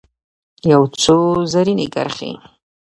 یو څو رزیني کرښې